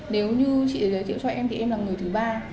nếu như chị giới thiệu cho em thì em là người thứ ba